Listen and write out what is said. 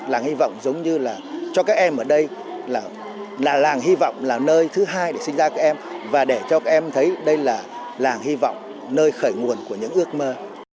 làng hy vọng giống như là cho các em ở đây là làng hy vọng là nơi thứ hai để sinh ra các em và để cho các em thấy đây là làng hy vọng nơi khởi nguồn của những ước mơ